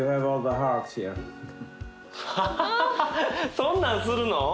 そんなんするの！？